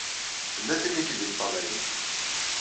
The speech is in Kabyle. Tella tin i k-id-iṭṭalayen.